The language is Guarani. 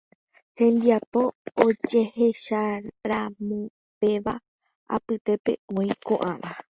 Hembiapo ojehecharamovéva apytépe oĩ ko'ãva